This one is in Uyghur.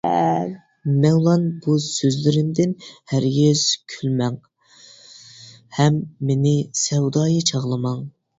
مەۋلان، بۇ سۆزلىرىمدىن ھەرگىز كۈلمەڭ ھەم مېنى سەۋدايى چاغلىماڭ!